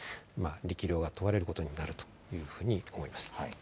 力量が問われることになると思います。